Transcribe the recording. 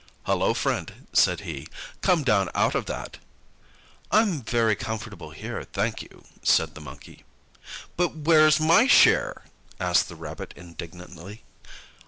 "Hullo, friend," said he, "come down out of that." "I'm very comfortable here, thank you," said the Monkey. "But where's my share?" asked the Rabbit indignantly.